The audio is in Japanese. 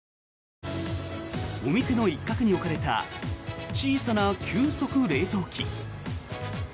お店の一角に置かれた小さな急速冷凍機。